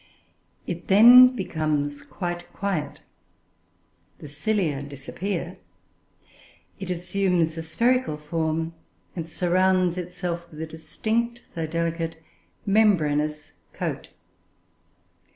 It then becomes quite quiet, the cilia disappear, it assumes a spherical form, and surrounds itself with a distinct, though delicate, membranous coat.